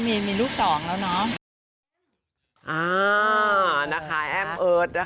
ก็มีลูกแล้วชีวิตดี